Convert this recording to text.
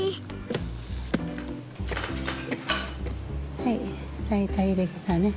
はい大体できたね。